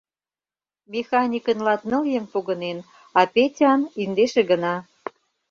Механикын латныл еҥ погынен, а Петян — индеше гына.